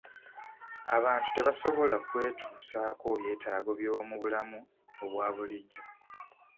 Abantu tebasobola kwetuusaako byetaago by'omu bulamu obwa bulijjo.